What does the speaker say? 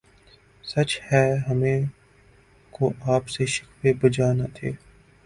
سچ ہے ہمیں کو آپ کے شکوے بجا نہ تھے